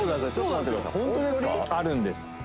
「あるんです」